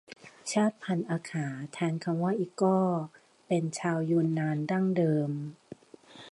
ชาติพันธุ์อาข่า แทนคำว่าอีก้อ เป็นชาวยูนนานดั้งเดิม